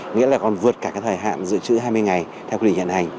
nghĩa là còn vượt cả cái thời hạn dự trữ hai mươi ngày theo quy định hiện hành